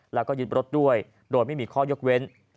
แล้วก็ยึดรถด้วยโดยไม่มีข้อยกเว้น